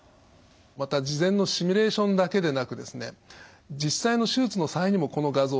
また事前のシミュレーションだけでなくですね実際の手術の際にもこの画像を使います。